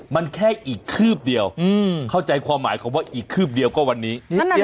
มันแค่อีกคืบเดียวเข้าใจความหมายคำว่าอีกคืบเดียวก็วันนี้